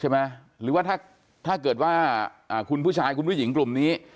ใช่ไหมหรือว่าถ้าถ้าเกิดว่าอ่าคุณผู้ชายคุณผู้หญิงกลุ่มนี้